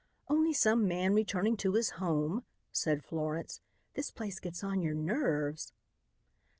"Only some man returning to his home," said Florence. "This place gets on your nerves."